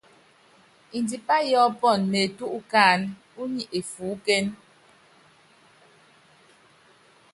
Ndipá yɔɔ́pɔnɔ neetú ukáánɛ́, únyi efuúkéne.